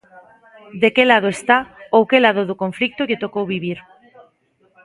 De que lado está ou que lado do conflito lle tocou vivir.